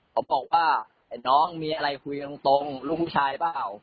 เขาบอกว่าไอ้น้องมีอะไรคุยตรงลูกผู้ชายเปล่า